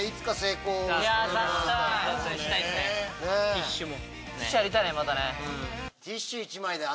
「ティッシュ」も。